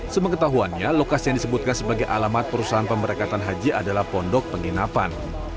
sebagai ketahuannya lokasi yang disebutkan sebagai alamat perusahaan pemberkatan haji adalah pondok penginapan